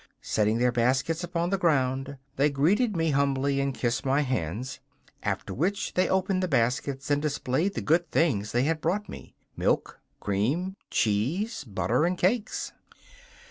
Setting their baskets upon the ground, they greeted me humbly and kissed my hands, after which they opened the baskets and displayed the good things they had brought me milk, cream, cheese, butter and cakes.